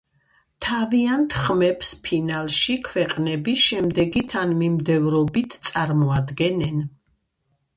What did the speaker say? თავიანთ ხმებს ფინალში ქვეყნები შემდეგი თანმიმდევრობით წარმოადგენენ.